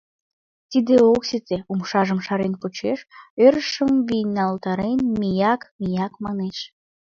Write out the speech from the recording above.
Тиде ок сите — умшажым шарен почеш, ӧрышым вийналтарен, ми-як, ми-як манеш.